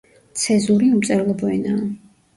ცეზური უმწერლობო ენაა.